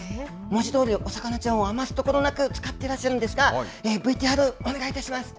文字どおり、お魚ちゃんを余すところなく使ってらっしゃるんですが、ＶＴＲ、お願いいたします。